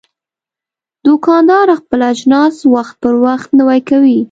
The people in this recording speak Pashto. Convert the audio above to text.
دوکاندار خپل اجناس وخت پر وخت نوی کوي.